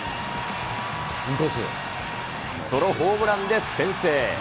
ソロホームランで先制。